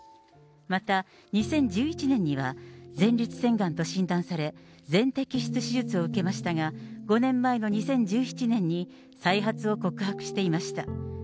また２０１１年には、前立腺がんと診断され、全摘出手術を受けましたが、５年前の２０１７年に再発を告白していました。